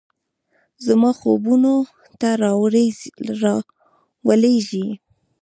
زما خوبونو ته راولیږئ